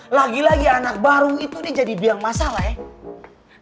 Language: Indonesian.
lagi lagi anak baru itu dia jadi biang masalah ya